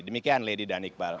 demikian lady danikbal